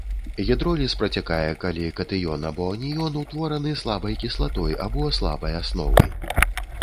Гідроліз працякае, калі катыён або аніён утвораны слабай кіслатой або слабай асновай.